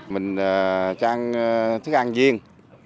mình cho ăn thức ăn riêng